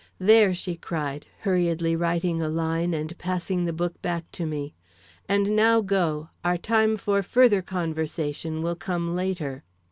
"There!" she cried, hurriedly writing a line and passing the book back to me. "And now go; our time for further conversation will come later."